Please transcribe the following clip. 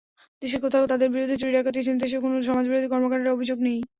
দেশের কোথাও তাঁদের বিরুদ্ধে চুরি, ডাকাতি, ছিনতাইসহ কোনো সমাজবিরোধী কর্মকাণ্ডের অভিযোগ নেই।